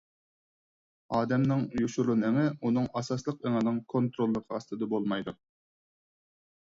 ئادەمنىڭ يوشۇرۇن ئېڭى ئۇنىڭ ئاساسلىق ئېڭىنىڭ كونتروللۇقى ئاستىدا بولمايدۇ.